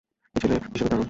ও ছেলে হিসেবে দারুণ!